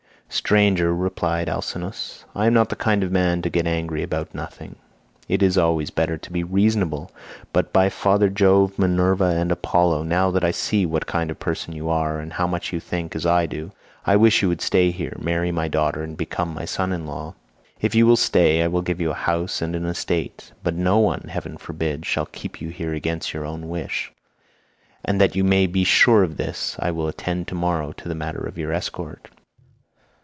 "Stranger," replied Alcinous, "I am not the kind of man to get angry about nothing; it is always better to be reasonable; but by Father Jove, Minerva, and Apollo, now that I see what kind of person you are, and how much you think as I do, I wish you would stay here, marry my daughter, and become my son in law. If you will stay I will give you a house and an estate, but no one (heaven forbid) shall keep you here against your own wish, and that you may be sure of this I will attend tomorrow to the matter of your escort.